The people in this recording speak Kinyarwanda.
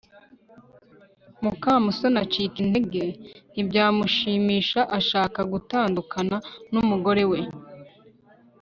mukamusoni acika intege ntibyamushimisha ashaka gutandukana n'umugabo we